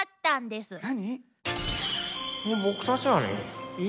何？